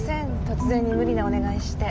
突然に無理なお願いして。